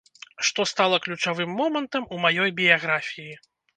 Што стала ключавым момантам у маёй біяграфіі.